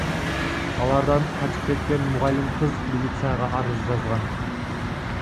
Алардан качып кеткен мугалим кыз милицияга арыз жазган.